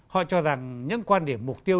họ cho rằng những quan điểm mục tiêu